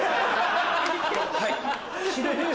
はい。